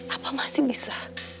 apa masih bisa